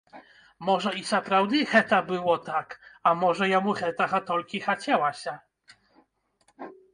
Можа, і сапраўды гэта было так, а можа, яму гэтага толькі хацелася.